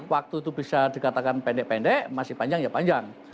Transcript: waktu itu bisa dikatakan pendek pendek masih panjang ya panjang